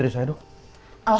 pernah atau tidak lagiflow